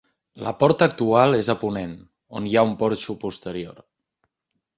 La porta actual és a ponent, on hi ha un porxo posterior.